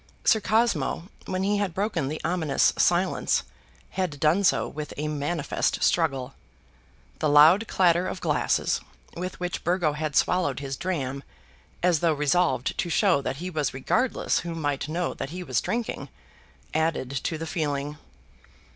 Sir Cosmo, when he had broken the ominous silence, had done so with a manifest struggle. The loud clatter of glasses with which Burgo had swallowed his dram, as though resolved to show that he was regardless who might know that he was drinking, added to the feeling.